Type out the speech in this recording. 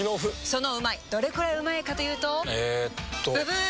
そのうまいどれくらいうまいかというとえっとブブー！